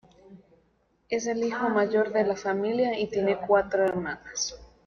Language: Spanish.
Él es el hijo mayor de la familia y tiene cuatros hermanas.